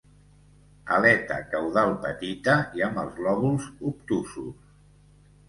Aleta caudal petita i amb els lòbuls obtusos.